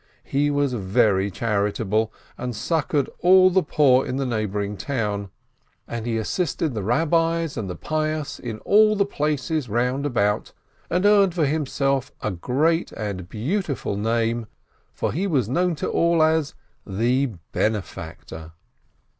He was very charitable, and succored all the poor in the neighboring town. And he assisted the Eabbis and the pious in all the places round about, and earned 584 A FOLK TALE for himself a great and beautiful name, for he was known to all as "the benefactor."